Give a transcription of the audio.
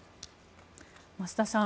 増田さん